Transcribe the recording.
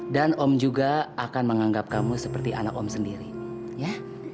dan om juga akan menganggap kamu seperti anak om sendiri ya